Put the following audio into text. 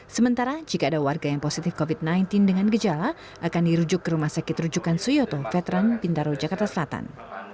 sementara jika ada warga yang positif covid sembilan belas dengan gejala akan dirujuk ke rumah sakit rujukan suyoto veteran bintaro jakarta selatan